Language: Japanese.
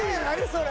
それ。